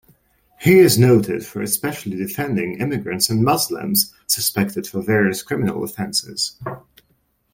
He is noted for especially defending immigrants and Muslims suspected for various criminal offences.